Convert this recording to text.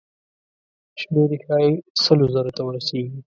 شمېر یې ښایي سلو زرو ته ورسیږي.